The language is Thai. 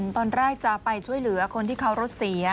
ตอนแรกจะไปช่วยเหลือคนที่เขารถเสีย